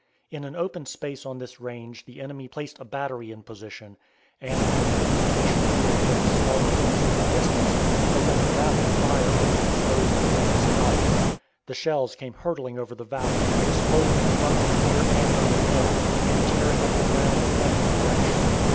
In an open space on this range the enemy placed a battery in position, and, in anticipation of doing great slaughter from a safe distance, opened a rapid fire on the exposed and helpless column. The shells came hurtling over the valley, exploding in front, rear, and overhead, and tearing up the ground in every direction.